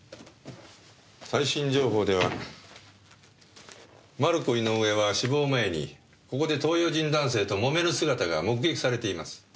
最新情報ではマルコ・イノウエは死亡前にここで東洋人男性と揉める姿が目撃されています。